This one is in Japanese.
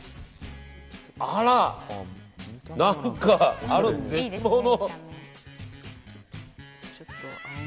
あら、何か絶望の。